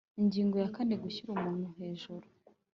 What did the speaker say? Ingingo ya kane Gushyira umuntu hejuru